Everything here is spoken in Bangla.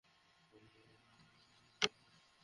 সুযোগ এসেছিল আর আমি সেটা নষ্ট করেছি।